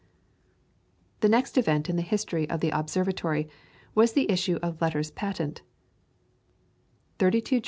] The next event in the history of the Observatory was the issue of Letters Patent (32 Geo.